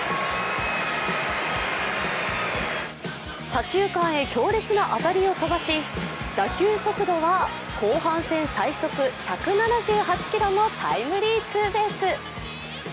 左中間へ強烈な当たりを飛ばし、打球速度は後半戦最速１７８キロのタイムリーツーベース。